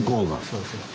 そうですね。